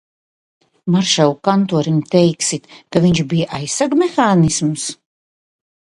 Maršalu kantorim teiksit, ka viņš bija aizsargmehānisms?